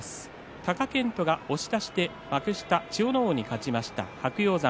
貴健斗が押し出しで幕下の千代ノ皇に勝ちました。